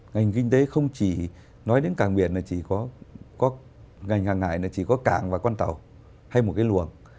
ngành kinh tế không chỉ nói đến cảng biển là chỉ có ngành hàng hải là chỉ có cảng và con tàu hay một cái luồng